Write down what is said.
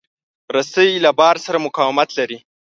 رسۍ له بار سره مقاومت لري.